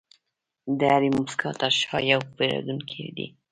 د هرې موسکا تر شا یو پیرودونکی دی.